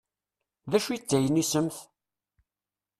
D acu i d taynisemt?